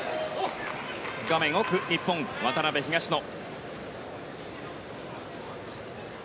画面奥、日本渡辺、東野。